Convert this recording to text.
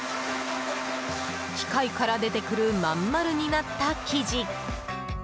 機械から出てくる真ん丸になった生地。